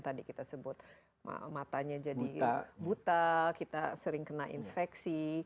tadi kita sebut matanya jadi buta kita sering kena infeksi